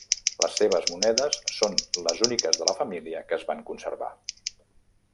Les seves monedes són les úniques de la família que es van conservar.